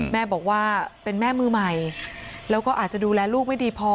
แม่บอกว่าเป็นแม่มือใหม่แล้วก็อาจจะดูแลลูกไม่ดีพอ